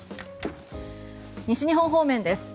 西日本方面です。